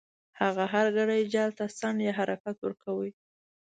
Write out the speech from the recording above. هغه هر ګړی جال ته څنډ یا حرکت ورکاوه.